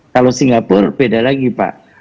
kalau singapura beda lagi pak